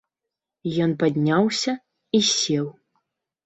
Ён падняўся і сеў.